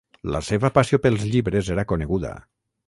La seva passió pels llibres era coneguda.